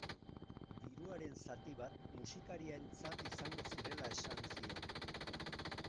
Diruaren zati bat musikarientzat izango zirela esan zion.